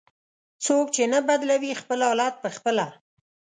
"څوک چې نه بدلوي خپل حالت په خپله".